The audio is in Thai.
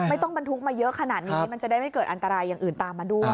บรรทุกมาเยอะขนาดนี้มันจะได้ไม่เกิดอันตรายอย่างอื่นตามมาด้วย